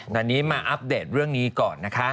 ตอนนี้มาอัปเดตเรื่องนี้ก่อนนะคะ